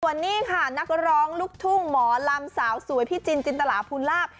ส่วนนี้ค่ะนักร้องลูกทุ่งหมอลำสาวสวยพี่จินจินตลาภูลาภ